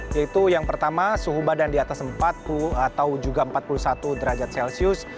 yaitu yang pertama suhu badan di atas empat puluh atau juga empat puluh satu derajat celcius